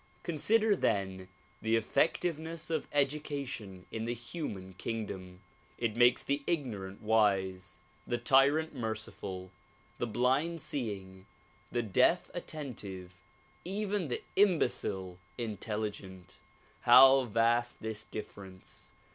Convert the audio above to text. Consider then the effectiveness of education in the human kingdom. It makes the ignorant wise, the tyrant merciful, the blind seeing, the deaf at tentive, even the imbecile intelligent. How vast this difference.